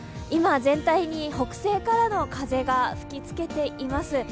今、全体に北西からの風が吹き付けています。